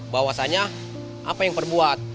bahwasanya apa yang perbuat